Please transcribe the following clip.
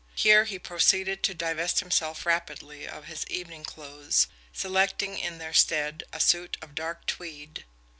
Here, he proceeded to divest himself rapidly of his evening clothes, selecting in their stead a suit of dark tweed.